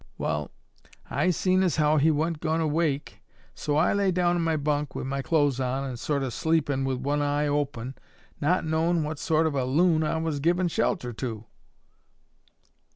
Wall, I seen as how he wa'n't goin' to wake, so I lay down on my bunk wi' my clothes on, sort o' sleepin' wi' one eye open, not knowin' what sort of a loon I was givin' shelter to.